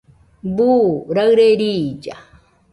¿Buu raɨre riilla?